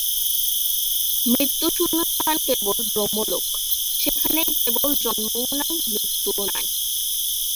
মৃত্যুশূন্য স্থান কেবল ব্রহ্মলোক, সেখানেই কেবল জন্মও নাই, মৃত্যুও নাই।